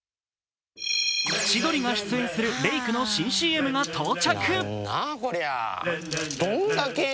千鳥が出演するレイクの新ＣＭが到着。